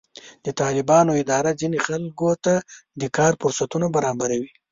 د طالبانو اداره ځینې خلکو ته د کار فرصتونه برابروي.